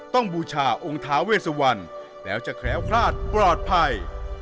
ต้องบูชาองค์ทางเท่าไปแล้วจะแคล้วคราศปรอดภัย